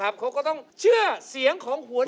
เขาก็ต้องเชื่อเสียงของหวน